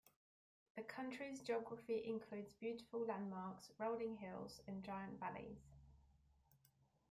The county's geography includes beautiful landmarks, rolling hills, and giant valleys.